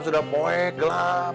sudah poek gelap